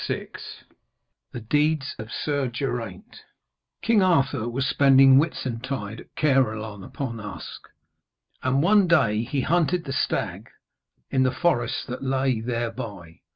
VI THE DEEDS OF SIR GERAINT King Arthur was spending Whitsuntide at Caerleon upon Usk, and one day he hunted the stag in the forests that lay thereby.